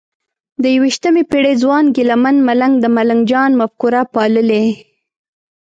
د یویشتمې پېړۍ ځوان ګیله من ملنګ د ملنګ جان مفکوره پاللې؟